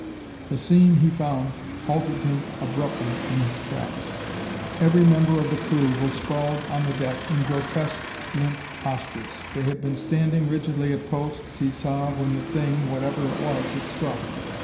The scene he found halted him abruptly in his tracks. Every member of the crew was sprawled on the deck, in grotesque, limp postures. They had been standing rigidly at posts, he saw, when the thing, whatever it was, had struck.